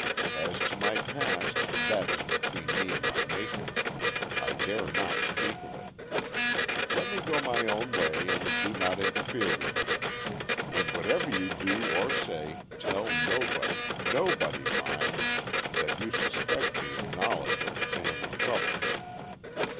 "As to my past, that is between me and my Maker. I dare not speak of it. Let me go my own way and do not interfere with me. And whatever you do or say, tell nobody nobody, mind that you suspect me of knowledge of the family trouble."